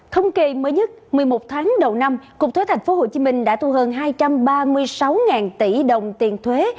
thông kỳ mới nhất một mươi một tháng đầu năm cục thuế thành phố hồ chí minh đã thu hơn hai trăm ba mươi sáu tỷ đồng tiền thuế